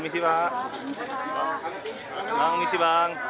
selamat misi bang